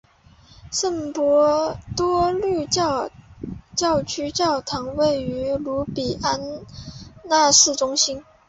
圣伯多禄教区教堂位于卢比安纳市中心。